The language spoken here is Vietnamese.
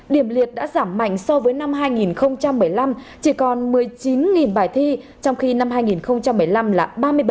điểm liệt đã giảm mạnh so với năm hai nghìn một mươi năm chỉ còn một mươi chín bài thi trong khi năm hai nghìn một mươi năm là ba mươi bảy